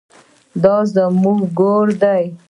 دا زموږ ګور دی؟